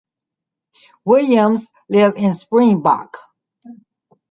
Williams lives in Springbok.